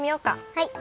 はい。